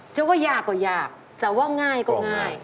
จะว่ายากก็ยากจะว่าง่ายก็ง่าย